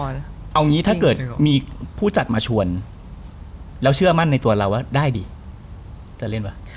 เอางี้ถ้าเกิดมีผู้จัดมาชวนแล้วเชื่อมั่นในตัวเราว่าได้ดิจะเล่นวะ